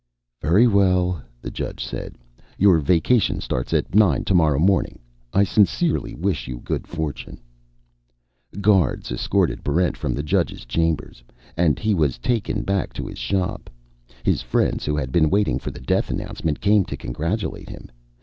"Very well," the judge said. "Your vacation starts at nine tomorrow morning. I sincerely wish you good fortune." Guards escorted Barrent from the judge's chambers, and he was taken back to his shop. His friends, who had been waiting for the death announcement, came to congratulate him.